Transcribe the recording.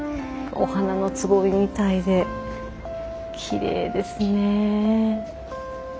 お花のつぼみみたいできれいですね。